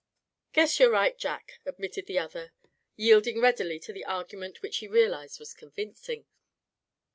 "Guess you're right, Jack," admitted the other, yielding readily to the argument which he realized was convincing.